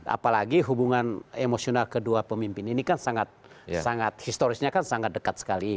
apalagi hubungan emosional kedua pemimpin ini kan sangat historisnya kan sangat dekat sekali